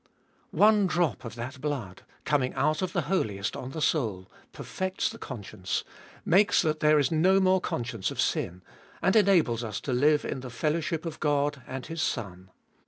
2. " One drop of that blood, coming out of the Holiest on the soul, perfects the conscience, makes that there is no more conscience of sin, and enables us to live in the fellowship of God and His Son.